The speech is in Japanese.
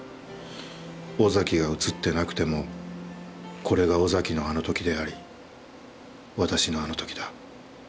尾崎が映ってなくてもこれが尾崎のあのときであり私のあのときだ。